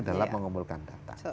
dalam mengumpulkan data